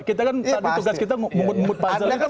kita kan tadi tugas kita memut mut puzzle itu